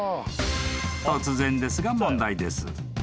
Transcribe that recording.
［突然ですが問題です］